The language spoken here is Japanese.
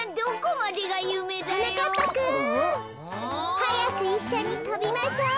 はやくいっしょにとびましょう。